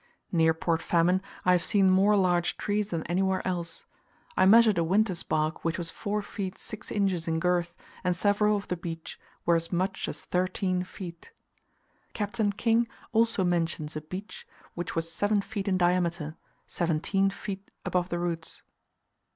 Near Port Famine I have seen more large trees than anywhere else: I measured a Winter's Bark which was four feet six inches in girth, and several of the beech were as much as thirteen feet. Captain King also mentions a beech which was seven feet in diameter, seventeen feet above the roots.